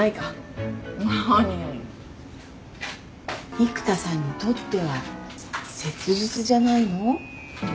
育田さんにとっては切実じゃないの？